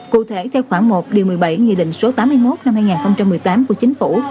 cụ thể theo khoảng một điều một mươi bảy nghị định số tám mươi một năm hai nghìn một mươi tám của chính phủ